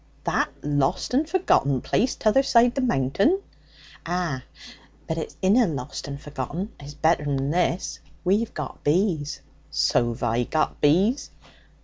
that lost and forgotten place t'other side the Mountain?' 'Ah! But it inna lost and forgotten; it's better'n this. We've got bees.' 'So've I got bees.'